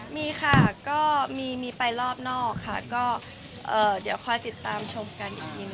มีค่ะก็มีไปรอบนอกค่ะก็เดี๋ยวคอยติดตามชมกันอีกที